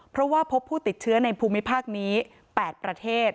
เพราะว่าพบผู้ติดเชื้อในภูมิภาคนี้๘ประเทศ